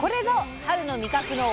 春の味覚の王様！